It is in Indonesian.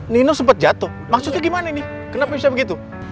nino sempat jatuh maksudnya gimana nih kenapa bisa begitu